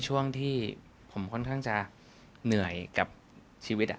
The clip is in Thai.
ช่วงที่ผมค่อนข้างจะเหนื่อยกับชีวิต